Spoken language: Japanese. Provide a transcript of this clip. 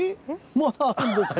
まだあるんですか。